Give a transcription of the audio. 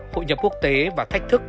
hội nhập quốc tế và thách thức